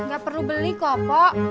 gak perlu beli kok pak